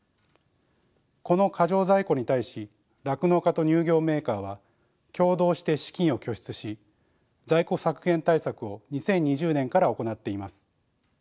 この過剰在庫に対し酪農家と乳業メーカーは共同して資金を拠出し在庫削減対策を２０２０年から行っています。